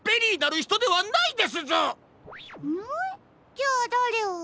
じゃあだれを？